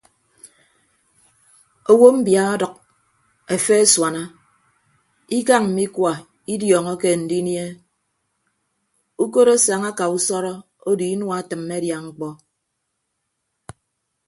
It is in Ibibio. Owo mbia ọdʌk efe asuana ikañ mme ikua idiọọñọke andinie ukot asaña aka usọrọ odo inua atịmme adia ñkpọ.